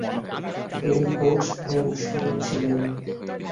তিনি কোচ বংশীয় ছিলেন।